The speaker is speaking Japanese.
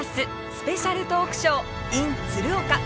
スペシャルトークショーｉｎ鶴岡。